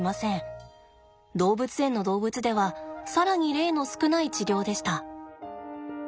動物園の動物では更に例の少ない治療でした。